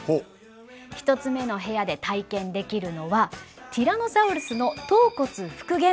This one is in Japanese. １つ目の部屋で体験できるのはティラノサウルスの頭骨復元。